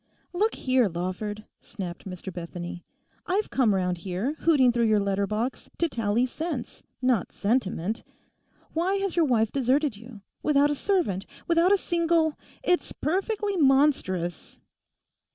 'Look here, Lawford,' snapped Mr Bethany; 'I've come round here, hooting through your letter box, to talk sense, not sentiment. Why has your wife deserted you? Without a servant, without a single—It's perfectly monstrous.